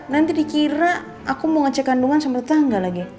nanti dikira aku mau ngecek kandungan sama tetangga lagi